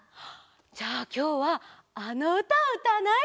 じゃあきょうはあのうたをうたわない？